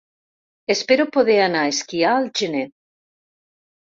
Espero poder anar a esquiar al gener.